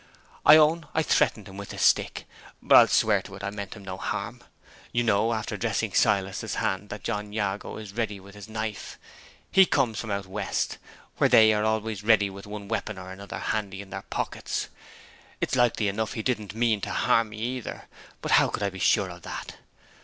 I own I threatened him with the stick; but I'll swear to it I meant him no harm. You know after dressing Silas's hand that John Jago is ready with his knife. He comes from out West, where they are always ready with one weapon or another handy in their pockets. It's likely enough he didn't mean to harm me, either; but how could I be sure of that?